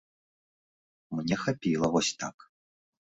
Мне хапіла вось так.